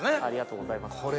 ありがとうございます。